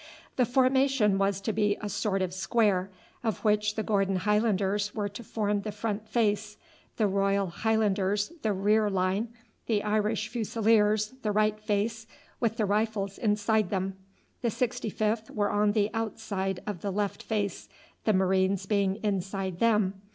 The formation was to be a sort of square, of which the Gordon Highlanders were to form the front face, the Royal Highlanders the rear line, the Irish Fusiliers the right face with the Rifles inside them; the 65th were on the outside of the left face, the Marines being inside them.